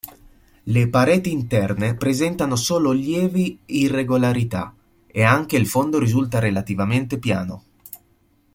Le pareti interne presentano solo lievi irregolarità, e anche il fondo risulta relativamente piano.